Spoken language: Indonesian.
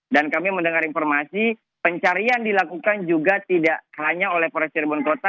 dan kami mendengar informasi pencarian dilakukan juga tidak hanya oleh forest cirebon kota